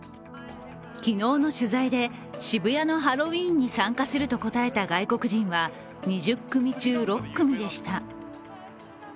昨日の取材で渋谷のハロウィーンに参加すると答えた外国人は２０組中６組でした。